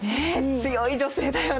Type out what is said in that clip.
強い女性だよね。